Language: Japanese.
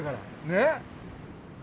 ねっ？